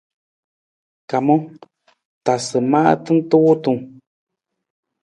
Kamang, tasa maata nta wutung.